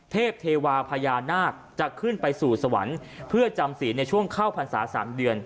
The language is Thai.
เทวาพญานาคจะขึ้นไปสู่สวรรค์เพื่อจำศีลในช่วงเข้าพรรษา๓เดือน